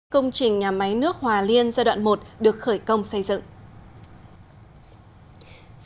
công trình nhà máy nước hòa liên giai đoạn một được khởi công xây dựng